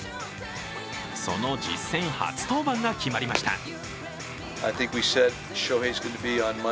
その実戦初登板が決まりました。